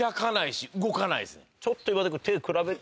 ちょっと今田君。